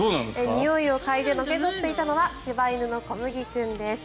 においを嗅いでのけ反っていたのは柴犬のこむぎ君です。